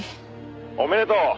「おめでとう！」